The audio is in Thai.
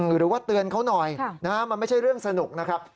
หรือว่าเตือนเขาหน่อยมันไม่ใช่เรื่องสนุกนะครับ